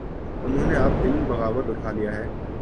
انہوں نے اب علم بغاوت اٹھا لیا ہے۔